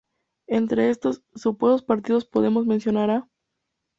Entre estos -supuestos partidos podemos mencionar a.